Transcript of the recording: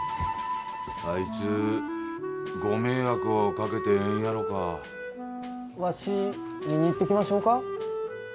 あいつご迷惑をかけてえんやろかわし見に行ってきましょうか？